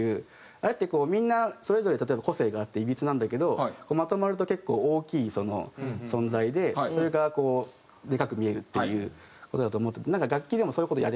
あれってみんなそれぞれ例えば個性があっていびつなんだけどまとまると結構大きい存在でそれがこうでかく見えるっていう事だと思ってて。